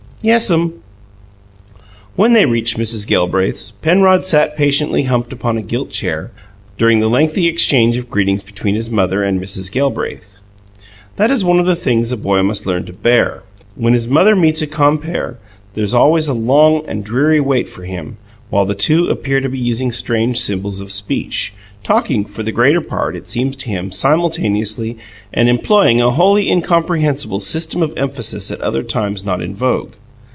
"Yes'm." When they reached Mrs. Gelbraith's, Penrod sat patiently humped upon a gilt chair during the lengthy exchange of greetings between his mother. and Mrs. Gelbraith. That is one of the things a boy must learn to bear: when his mother meets a compeer there is always a long and dreary wait for him, while the two appear to be using strange symbols of speech, talking for the greater part, it seems to him, simultaneously, and employing a wholly incomprehensible system of emphasis at other times not in vogue.